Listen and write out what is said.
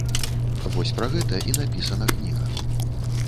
Вось пра гэта і напісана кніга.